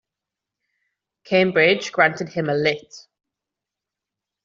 Cambridge granted him a Litt.